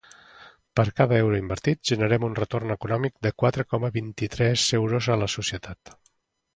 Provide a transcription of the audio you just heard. Per cada euro invertit, generem un retorn econòmic de quatre coma vint-i-tres euros a la societat.